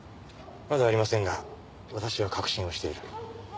まだありませんが私は確信をしている。